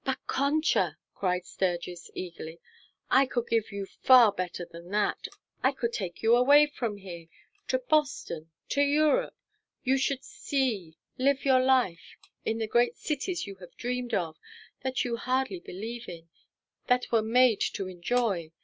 "But Concha," cried Sturgis eagerly, "I could give you far better than that. I could take you away from here to Boston, to Europe. You should see live your life in the great cities you have dreamed of that you hardly believe in that were made to enjoy.